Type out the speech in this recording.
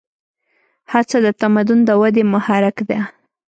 هڅه د تمدن د ودې محرک ده.